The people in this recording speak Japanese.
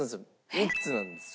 ３つなんですよ。